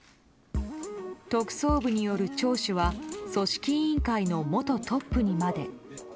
特捜部による聴取は組織委員会の元トップにまで。